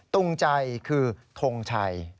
ตรงใจคือทงใจ